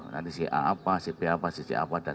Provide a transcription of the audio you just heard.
nanti si a apa si b apa si c apa dan